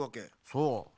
そう。